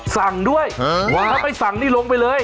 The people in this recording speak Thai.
สั่งด้วยถ้าไม่สั่งนี่ลงไปเลย